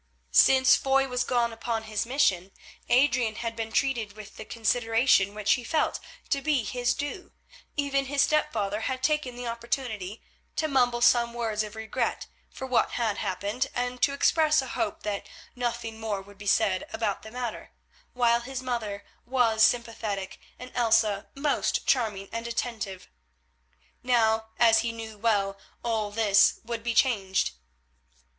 Since Foy was gone upon his mission, Adrian had been treated with the consideration which he felt to be his due. Even his stepfather had taken the opportunity to mumble some words of regret for what had happened, and to express a hope that nothing more would be said about the matter, while his mother was sympathetic and Elsa most charming and attentive. Now, as he knew well, all this would be changed.